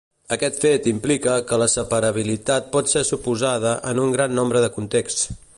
Aquest fet implica que la separabilitat pot ser suposada en un gran nombre de contexts.